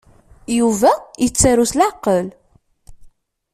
Yuba yettaru s leɛqel.